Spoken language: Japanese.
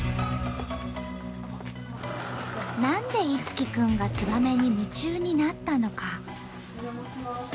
何で樹くんがツバメに夢中になったのか。